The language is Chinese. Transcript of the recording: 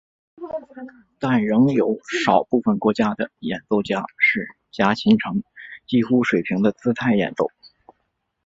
但仍有少部分国家的演奏家是夹琴呈几乎水平的姿态演奏。